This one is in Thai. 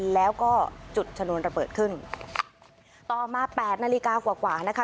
แล้วก็จุดชนวนระเบิดขึ้นต่อมาแปดนาฬิกากว่ากว่านะคะ